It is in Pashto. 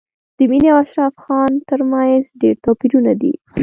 د مينې او اشرف خان تر منځ ډېر توپیرونه دي